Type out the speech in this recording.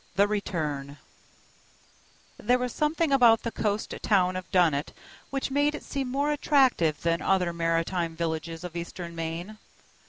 The Return THERE WAS SOMETHING about the coast town of Dunnet which made it seem more attractive than other maritime villages of eastern Maine.